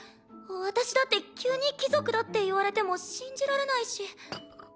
私だって急に貴族だって言われても信じられないし。